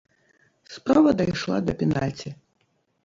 Справа дайшла да пенальці.